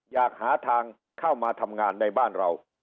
อยากหาทางเข้ามาทำงานในบ้านเรา